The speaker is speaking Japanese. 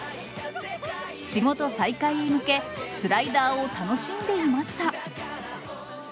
仕事再開へ向け、スライダーを楽しんでいました。